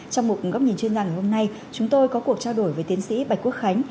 trong một góc nhìn chuyên gia ngày hôm nay chúng tôi có cuộc trao đổi với tiến sĩ bạch quốc khánh